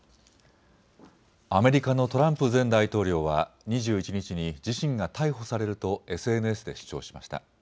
アメリカのトランプ前大統領は２１日に自身が逮捕されるとＳＮＳで主張しました。